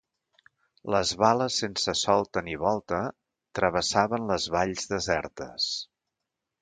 Les bales sense solta ni volta, travessaven les valls desertes